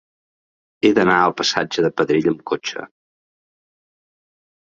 He d'anar al passatge de Pedrell amb cotxe.